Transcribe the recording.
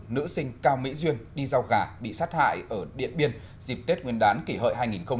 nữ sinh cao mỹ duyên đi giao gà bị sát hại ở điện biên dịp tết nguyên đán kỷ hợi hai nghìn một mươi chín